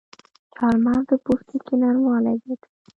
چارمغز د پوستکي نرموالی زیاتوي.